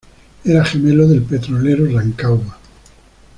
Era gemelo del petrolero Rancagua.